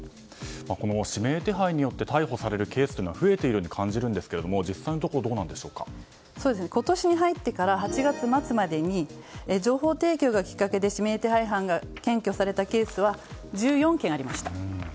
この指名手配によって逮捕されるケースというのは増えているように感じるんですけども今年に入ってから８月末までに情報提供がきっかけで指名手配犯が検挙されたケースは１４件ありました。